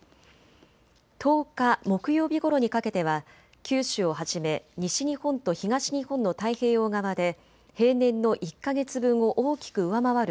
１０日木曜日ごろにかけては九州をはじめ西日本と東日本の太平洋側で平年の１か月分を大きく上回る